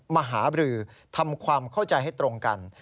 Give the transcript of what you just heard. มาหาบรือทำความเข้าใจให้ตรงกัน